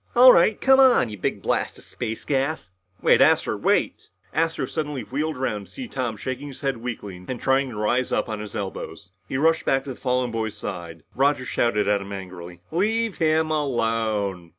"All right come on, you big blast of space gas!" "Wait, Astro ... wait!" Astro suddenly wheeled around to see Tom shaking his head weakly and trying to rise up on his elbows. He rushed back to the fallen boy's side. Roger shouted at him angrily, "Leave him alone!"